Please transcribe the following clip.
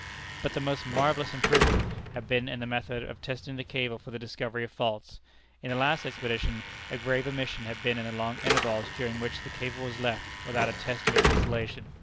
But the most marvellous improvement had been in the method of testing the cable for the discovery of faults. In the last expedition, a grave omission had been in the long intervals during which the cable was left without a test of its insulation.